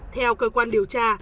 theo cơ quan điều tra